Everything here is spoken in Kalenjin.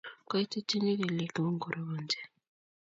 Koititinchini kelyeguuk ngorobanji